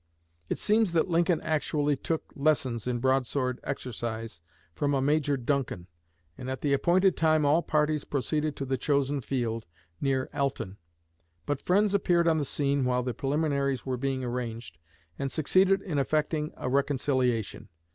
It seems that Lincoln actually took lessons in broadsword exercise from a Major Duncan; and at the appointed time all parties proceeded to the chosen field, near Alton. But friends appeared on the scene while the preliminaries were being arranged, and succeeded in effecting a reconciliation.